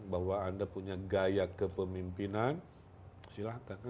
bahwa anda punya gaya kepemimpinan silahkan